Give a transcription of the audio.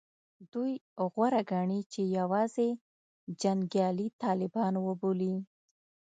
دوی غوره ګڼي چې یوازې جنګیالي طالبان وبولي